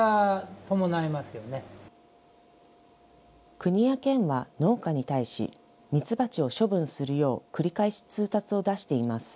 国や県は農家に対し、ミツバチを処分するよう繰り返し通達を出しています。